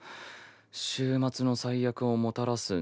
「終末の災厄をもたらす波」？